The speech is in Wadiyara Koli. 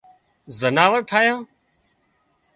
زناور ٺاهيان